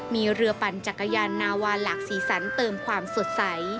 มีเรือปั่นจักรยานนาวาหลากสีสันเติมความสดใส